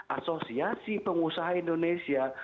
asosiasi pengusaha indonesia